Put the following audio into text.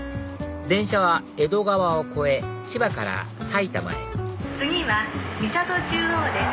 電車は江戸川を越え千葉から埼玉へ次は三郷中央です。